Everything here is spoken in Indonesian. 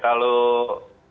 oke kalau rt pcr